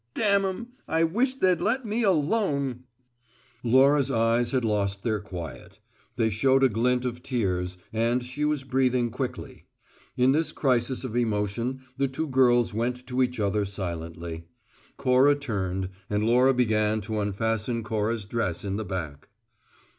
"Damn 'em, I wish they'd let me alone!" Laura's eyes had lost their quiet; they showed a glint of tears, and she was breathing quickly. In this crisis of emotion the two girls went to each other silently; Cora turned, and Laura began to unfasten Cora's dress in the back.